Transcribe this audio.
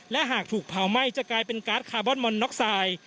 และหากถูกเผาไหม้จะกลายเป็นการ์ดคาร์บอนมอนน็อกไซด์